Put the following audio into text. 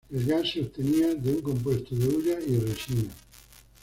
El gas se obtenía de un compuesto de hulla y resina.